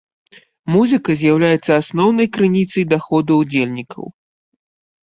Музыка з'яўляецца асноўнай крыніцай даходу ўдзельнікаў.